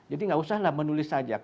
jadi tidak usah menulis sajak